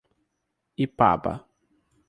Ipaba